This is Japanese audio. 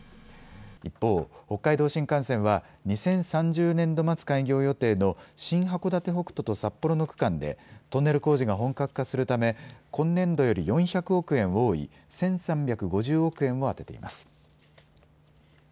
一方、北海道新幹線は２０３０年度末開業予定の新函館北斗と札幌の区間でトンネル工事が本格化するため今年度より４００億円多い１３５０億円を充てています。